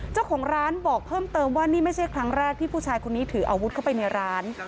เจ้าของร้านบอกเพิ่มเติมว่านี่ไม่ใช่ครั้งแรกที่ผู้ชายคนนี้ถืออาวุธเข้าไปในร้าน